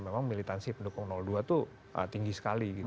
memang militansi pendukung dua itu tinggi sekali gitu